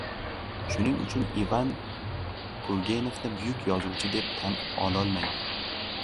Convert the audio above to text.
Shuning uchun Ivan Turgenevni buyuk yozuvchi deb tan ololmayman.